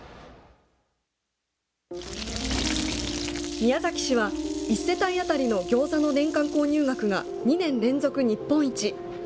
宮崎市は、１世帯あたりのギョーザの年間購入額が２年連続日本一。